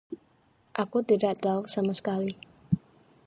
Aku tidak tahu sama sekali.